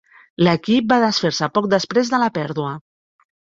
L'equip va desfer-se poc després de la pèrdua.